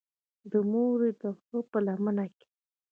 د مورې د غرۀ پۀ لمن کښې